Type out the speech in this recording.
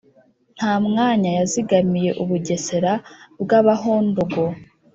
nta mwanya yazigamiye u bugesera bw' abahondogo.